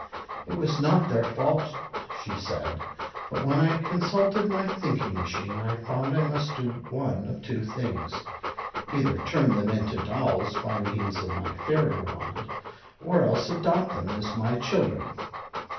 "It was not their fault," she said, "but when I consulted my thinking machine I found I must do one of two things either turn them into dolls by means of my fairy wand, or else adopt them as my children.